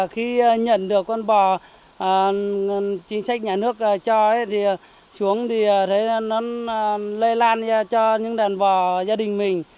chính sách nhà nước cho xuống thì thấy nó lây lan cho những đàn bò gia đình mình